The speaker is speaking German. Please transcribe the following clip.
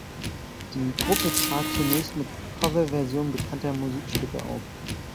Die Gruppe trat zunächst mit Coverversionen bekannter Musikstücke auf.